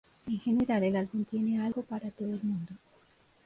En general el álbum tiene algo para todo el mundo.